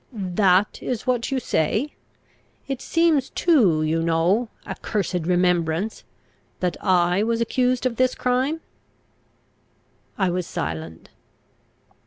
"That is what you say? It seems too you know accursed remembrance! that I was accused of this crime?" I was silent.